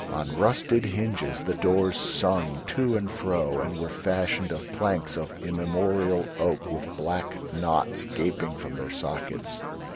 On rusted hinges the doors swung to and fro and were fashioned of planks of immemorial oak with black knots gaping from their sockets.